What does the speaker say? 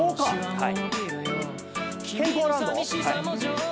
はい。